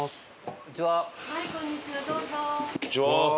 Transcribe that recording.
こんにちは。